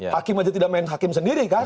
hakim aja tidak main hakim sendiri kan